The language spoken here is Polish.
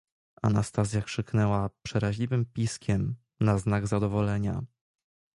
"Anastazja krzyknęła przeraźliwym piskiem na znak zadowolenia."